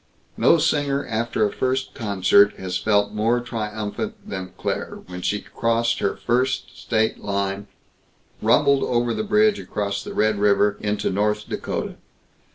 No singer after a first concert has felt more triumphant than Claire when she crossed her first state line; rumbled over the bridge across the Red River into North Dakota.